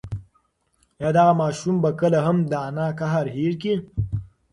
ایا دغه ماشوم به کله هم د انا قهر هېر کړي؟